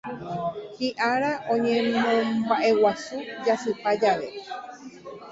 Hiʼára oñemombaʼeguasu jasypa jave.